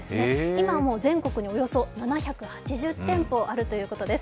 今、全国におよそ７８０店舗あるということです。